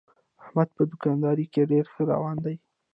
احمد په دوکاندارۍ کې ډېر ښه روان دی.